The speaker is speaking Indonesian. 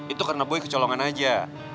itu karena gue kecolongan aja